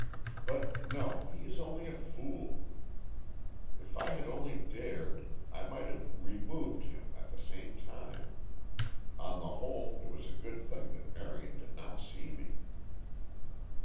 But no, he is only a fool. If I had only dared, I might have 'removed' him at the same time. On the whole, it was a good thing that Marion did not see me."